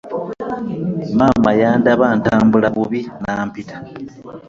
Maama yandaba ntambula bubi n'ampita.